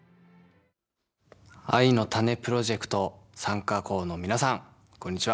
藍のたねプロジェクト参加校の皆さんこんにちは、